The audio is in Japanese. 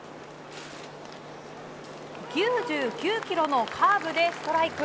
９９キロのカーブでストライク。